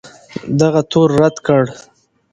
دغه تور رد کړ